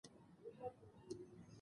هر څه غواړم خو په خوښی يي غواړم